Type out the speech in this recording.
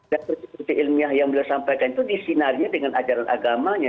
dan prinsip prinsip ilmiah yang beliau sampaikan itu disinarinya dengan ajaran agamanya